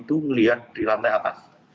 itu melihat di lantai atas